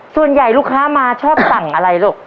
ส่วนใหญ่ลูกค้ามาชอบสั่งอะไรลูก